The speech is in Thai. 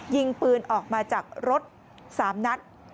ยิงปืนออกมาจากรถ๓นัด